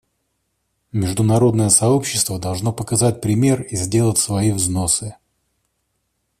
Международное сообщество должно показать пример и сделать свои взносы.